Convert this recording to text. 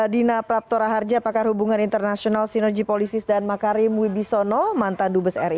dina praptora harja pakar hubungan internasional sinergi polisis dan makarim wibisono mantan dubes ri